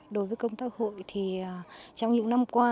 đối với công tác hội thì trong những năm qua